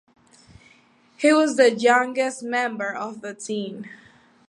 He was the youngest member of the team.